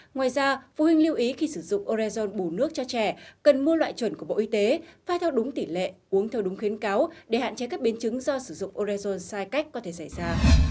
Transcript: ngoài ra phụ huynh lưu ý khi sử dụng orezon bù nước cho trẻ cần mua loại chuẩn của bộ y tế phai theo đúng tỷ lệ uống theo đúng khuyến cáo để hạn chế các biến chứng do sử dụng orezon sai cách có thể xảy ra